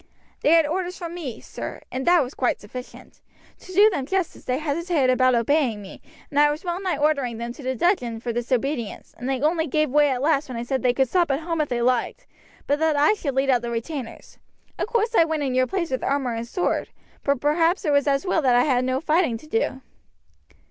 "They had orders from me, sir, and that was quite sufficient. To do them justice, they hesitated about obeying me, and I was well nigh ordering them to the dungeon for disobedience; and they only gave way at last when I said they could stop at home if they liked, but that I should lead out the retainers. Of course I went in your place with armour and sword; but perhaps it was as well that I had no fighting to do."